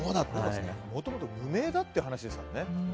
でも、もともと無名だっていう話ですからね。